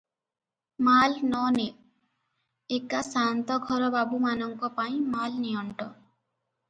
ମାଲ୍ ନ ନେ, ଏକା ସାଆନ୍ତଘର ବାବୁମାନଙ୍କ ପାଇଁ ମାଲ ନିଅଣ୍ଟ ।